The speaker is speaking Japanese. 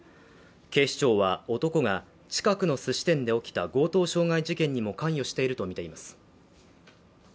警視庁は、男が近くのすし店で起きた強盗傷害事件にも関与しているとみています。